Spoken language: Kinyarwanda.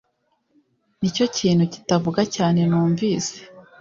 Nicyo kintu kitavuga cyane numvise